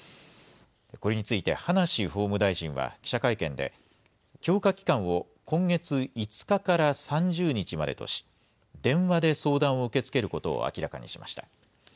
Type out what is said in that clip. これについて葉梨法務大臣は記者会見で、強化期間を今月５日から３０日までとし、電話で相談を受け付けることを明らかにしました。